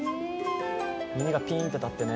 耳がピンと立ってね。